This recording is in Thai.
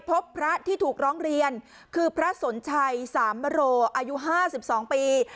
พบพระที่ถูกร้องเรียนคือพระสนชัยสามโรอายุ๕๒ปี